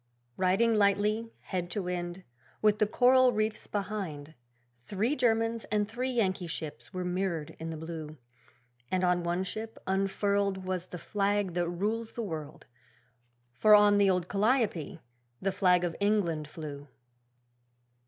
Riding lightly, head to wind, With the coral reefs behind, Three Germans and three Yankee ships were mirrored in the blue; And on one ship unfurled Was the flag that rules the world For on the old 'Calliope' the flag of England flew.